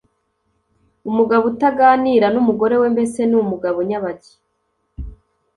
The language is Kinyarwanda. Umugabo utaganira n’umugore we mbese ni umugabo nyabaki